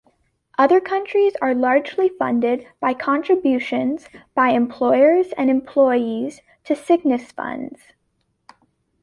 Other countries are largely funded by contributions by employers and employees to sickness funds.